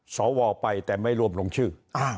สวไปแต่ไม่รวมลงชื่อ